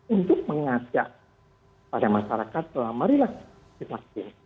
untuk mengajak pada masyarakat bahwa marilah divaksin